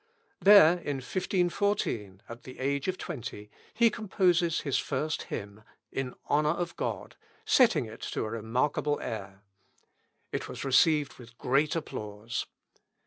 There, in 1514, at the age of twenty, he composed his first hymn, "In Honour of God," setting it to a remarkable air. It was received with great applause.